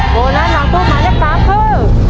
โบนัสหลังตู้หมายเลข๓คือ